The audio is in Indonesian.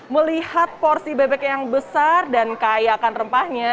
melihat porsi bebek yang besar dan kayakan rempahnya